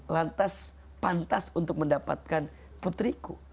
lantas pantas untuk mendapatkan putriku